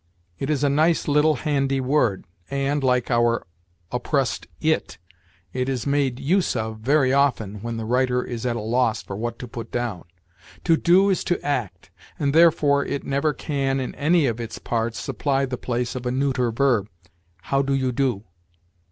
It is a nice little handy word, and, like our oppressed it, it is made use of very often when the writer is at a loss for what to put down. To do is to act, and therefore it never can, in any of its parts, supply the place of a neuter verb. 'How do you do?'